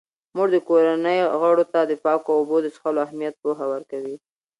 مور د کورنۍ غړو ته د پاکو اوبو د څښلو اهمیت پوهه ورکوي.